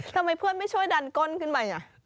ทำไมเพื่อนไม่ช่วยดันก้นขึ้นไป